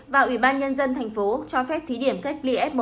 và ủy ban nhân dân thành phố cho phép thí điểm cách ly f một